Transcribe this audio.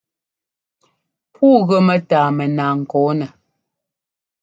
Pûu gʉ mɛ́tâa mɛnaa ŋkɔ̂nɛ.